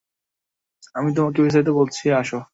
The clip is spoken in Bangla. আমি তোমাকে বিস্তারিত বলছি, আসো।